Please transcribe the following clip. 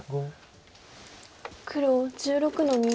黒１６の二。